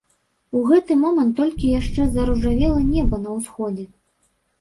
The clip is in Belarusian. У гэты момант толькі яшчэ заружавела неба на ўсходзе.